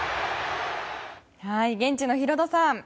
現地のヒロドさん